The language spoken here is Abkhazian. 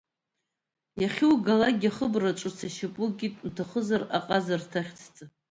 Иахьугалакгьы ахыбра ҿыц ашьапы укит, уҭахызар аҟазарҭа ахьӡҵа.